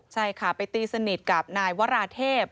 ใช่ค่ะไปตีสนิทกับนายวราเทพ